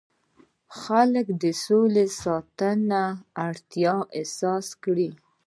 خلک د سولې ساتنې اړتیا احساس کړي.